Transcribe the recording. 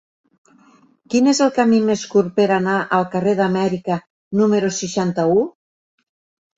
Quin és el camí més curt per anar al carrer d'Amèrica número seixanta-u?